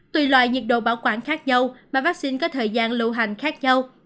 tùy loại nhiệt độ bảo quản khác nhau mà vắc xin có thời gian lưu hành khác nhau